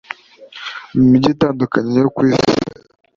mu mijyi itandukanye yo ku Isi